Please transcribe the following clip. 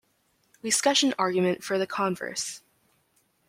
We sketch an argument for the converse.